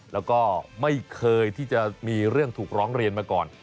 แล้วก็ไม่เคยที่จะมีเรื่องถูกร้องเรียนมาก่อน